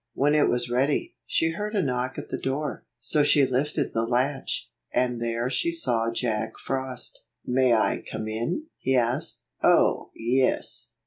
When it was ready, she heard a knock at the door. So she lifted the latch, and there she saw Jack Frost "May I come in?" he asked. "Oh, yes!